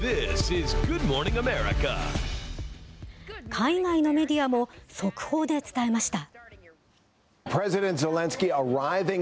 海外のメディアも速報で伝えました。